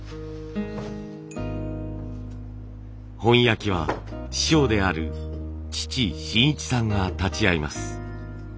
本焼きは師匠である父眞一さんが立ち会います。